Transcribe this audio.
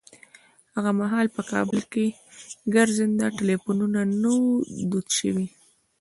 هغه مهال په کابل کې ګرځنده ټليفونونه نه وو دود شوي.